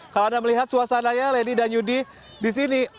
kalau anda melihat suasananya lady dan yudi di sini